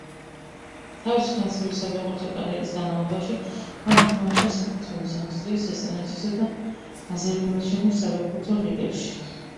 თავისი ხანგრძლივი საფეხბურთო კარიერის განმავლობაში მან ითამაშა საქართველოს, ავსტრიის, ესტონეთისა და აზერბაიჯანის საფეხბურთო ლიგებში.